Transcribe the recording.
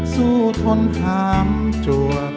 สู้ทนทามจัว